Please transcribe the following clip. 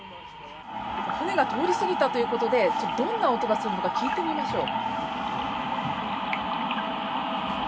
船が通り過ぎたということで、どんな音がするのか聞いてみましょう。